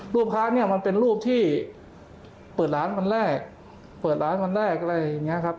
รูปพระมันเป็นรูปที่เปิดร้านวันแรก